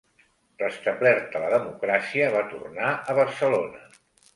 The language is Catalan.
Restablerta la democràcia, va tornar a Barcelona.